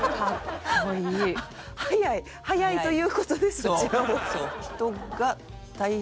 早いという事でそちらを。